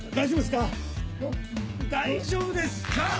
大丈夫ですか？